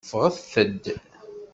Ffɣet-d.